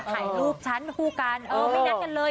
ถ่ายรูปฉันคู่กันเออไม่นัดกันเลย